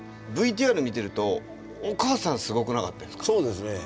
ＶＴＲ見てるとお母さんすごくなかったですか？